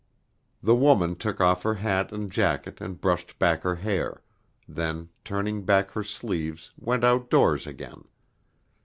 The woman took off her hat and jacket and brushed back her hair, then turning back her sleeves went outdoors again.